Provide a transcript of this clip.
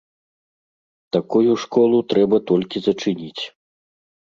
Такую школу трэба толькі зачыніць.